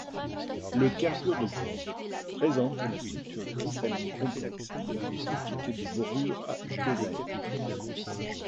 Le carbure de bore présente la structure cristalline complexe typique des borures à icosaèdres.